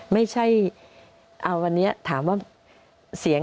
ไม่ใช่เอาวันนี้ถามว่าเสียง